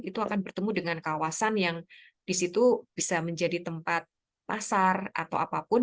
itu akan bertemu dengan kawasan yang disitu bisa menjadi tempat pasar atau apapun